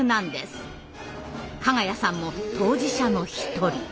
加賀谷さんも当事者の一人。